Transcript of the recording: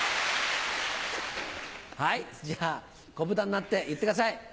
はいじゃ子ブタになって言ってください。